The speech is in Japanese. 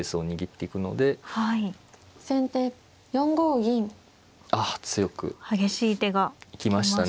激しい手が行きましたね。